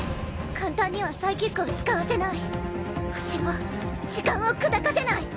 簡単にはサイキックを使わせない星を時間を砕かせない！